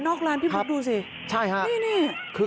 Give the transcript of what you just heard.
โทษทีโทษทีโทษที